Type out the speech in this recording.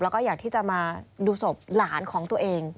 แล้วก็อยากที่จะมาดูศพหลานของตัวเอง